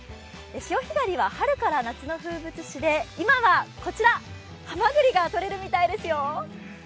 潮干狩りは春から夏の風物詩で今はこちら、はまぐりがとれるみたいですよ。